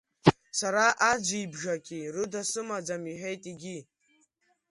Сара аӡәи бжаки рыда сымаӡам, — иҳәеит егьи.